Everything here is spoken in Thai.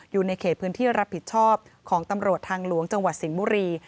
อยู่ในเขตพื้นที่รับผิดชอบของตำรวจทางหลวงจังหวัดสิงห์บุรี